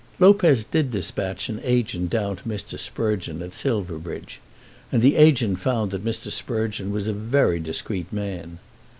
Lopez did dispatch an agent down to Mr. Sprugeon at Silverbridge, and the agent found that Mr. Sprugeon was a very discreet man.